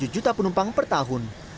satu juta penumpang per tahun